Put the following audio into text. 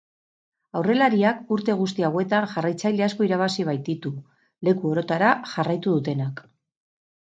Aurrelariak urte guzti hauetan jarraitzaile asko irabazi baititu, leku orotara jarraitu dutenak.